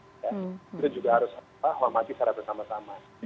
kita juga harus hormati secara bersama sama